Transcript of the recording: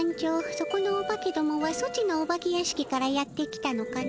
そこのおばけどもはソチのお化け屋敷からやって来たのかの？